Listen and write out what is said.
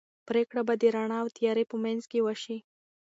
پرېکړه به د رڼا او تیارې په منځ کې وشي.